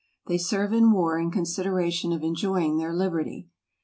They serve in war in consideration of enjoying their liberty.